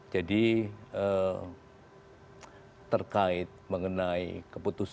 jadi tadi pentru ini safety ni ke subscribers